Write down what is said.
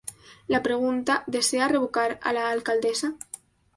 La pregunta "¿Desea revocar a la alcaldesa?